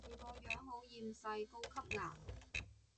佢個樣好厭世，高級顏